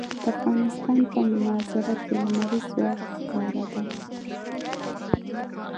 د افغانستان په منظره کې لمریز ځواک ښکاره ده.